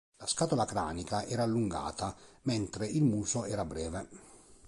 La scatola cranica era allungata, mentre il muso era breve.